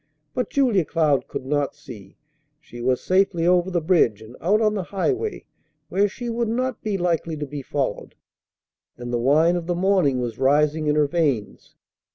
But Julia Cloud could not see; she was safely over the bridge and out on the highway where she would not be likely to be followed, and the wine of the morning was rising in her veins.